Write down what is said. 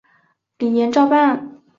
李俨照办。